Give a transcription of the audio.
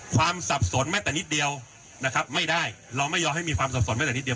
สับสนแม้แต่นิดเดียวนะครับไม่ได้เราไม่ยอมให้มีความสับสนไม่แต่นิดเดียว